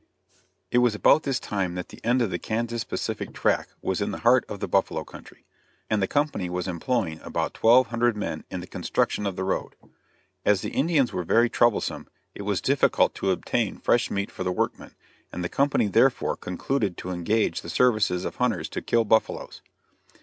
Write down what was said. It was about this time that the end of the Kansas Pacific track was in the heart of the buffalo country, and the company was employing about twelve hundred men in the construction of the road. As the Indians were very troublesome, it was difficult to obtain fresh meat for the workmen, and the company therefore concluded to engage the services of hunters to kill buffaloes.